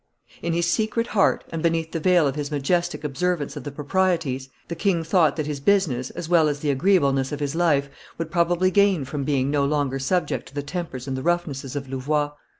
In his secret heart, and beneath the veil of his majestic observance of the proprieties, the king thought that his business, as well as the agreeableness of his life, would probably gain from being no longer subject to the tempers and the roughnesses of Louvois.